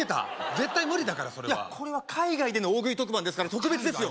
絶対無理だからそれはこれは海外での大食い特番ですから特別ですよ